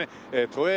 都営